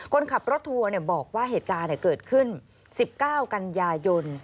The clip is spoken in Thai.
คนขับรถทัวร์บอกว่าเหตุการณ์เกิดขึ้น๑๙กันยายน